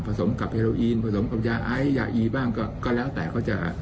สมกับเฮโรอีนผสมกับยาไอยาอีบ้างก็แล้วแต่เขาจะ